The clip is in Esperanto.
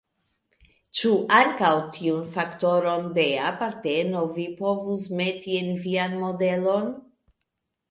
Ĉu ankaŭ tiun faktoron de aparteno vi povus meti en vian modelon?